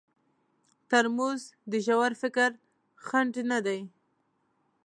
ترموز د ژور فکر خنډ نه دی.